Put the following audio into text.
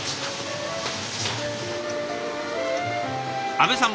阿部さん